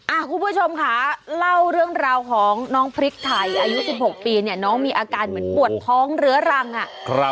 คุณผู้ชมค่ะเล่าเรื่องราวของน้องพริกไทยอายุ๑๖ปีเนี่ยน้องมีอาการเหมือนปวดท้องเรื้อรังอ่ะครับ